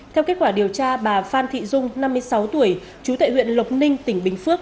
theo kết quả điều tra bà phan thị dung năm mươi sáu tuổi chú tại huyện lộc ninh tỉnh bình phước